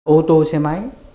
ô tô xe máy